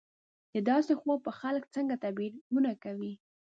د داسې خوب به خلک څنګه تعبیرونه کوي